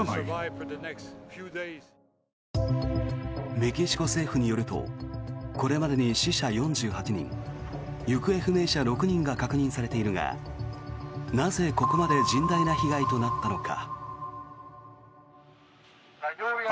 メキシコ政府によるとこれまでに死者４８人行方不明者６人が確認されているがなぜ、ここまで甚大な被害となったのか。